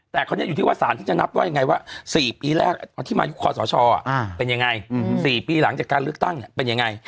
แต่คราวนี้อยู่ที่ว่าสารที่จะนับว่ายังไงว่า๔ปีแรกที่มายุคคอสชเป็นยังไง๔ปีหลังจากการเลือกตั้งเป็นยังไง